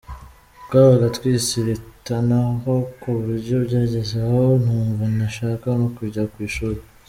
Twabaga twisiritanaho ku buryo byageze aho numva ntashaka no kujya ku ishuri.